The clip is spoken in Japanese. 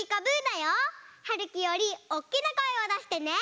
だよ。はるきよりおっきなこえをだしてね。